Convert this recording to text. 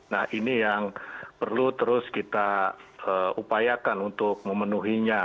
nah ini yang perlu terus kita upayakan untuk memenuhinya